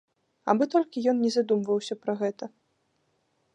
Абы толькі ён не задумваўся пра гэта.